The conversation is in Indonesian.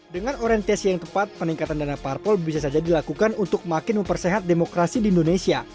dengan orientasi yang tepat peningkatan dana parpol bisa saja dilakukan untuk makin mempersehat demokrasi di indonesia